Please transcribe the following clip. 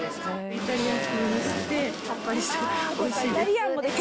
イタリアン風にして、さっぱりしてて、おいしいです。